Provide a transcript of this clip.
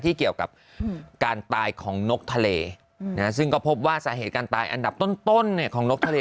เกี่ยวกับการตายของนกทะเลซึ่งก็พบว่าสาเหตุการตายอันดับต้นของนกทะเล